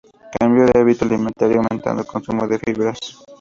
Cambio de hábito alimentario aumentando el consumo de fibras.